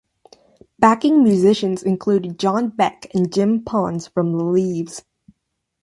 Backing musicians include John Beck and Jim Pons from the Leaves.